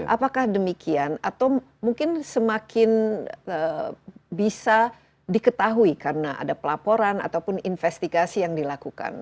apakah demikian atau mungkin semakin bisa diketahui karena ada pelaporan ataupun investigasi yang dilakukan